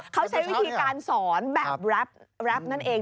เขาใช้วิธีการสอนแบบแรปนั่นเอง